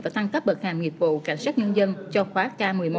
và thăng cấp bậc hàm nghiệp vụ cảnh sát nhân dân cho khóa k một mươi một